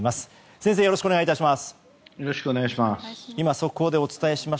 先生、よろしくお願い致します。